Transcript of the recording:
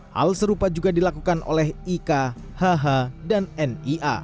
hal serupa juga dilakukan oleh ika hh dan nia